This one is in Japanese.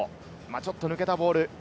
ちょっと抜けたボール。